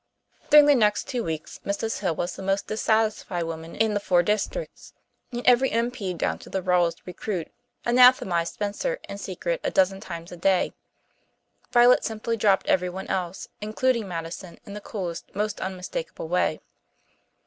During the next two weeks Mrs. Hill was the most dissatisfied woman in the four districts, and every M.P. down to the rawest recruit anathemized Spencer in secret a dozen times a day. Violet simply dropped everyone else, including Madison, in the coolest, most unmistakable way.